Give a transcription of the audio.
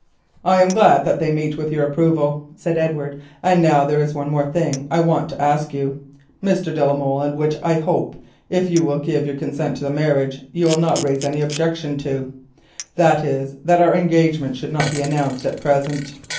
"I am glad that they meet with your approval," said Edward; "and now there is one more thing I want to ask you, Mr. de la Molle, and which I hope, if you give your consent to the marriage, you will not raise any objection to. It is, that our engagement should not be announced at present.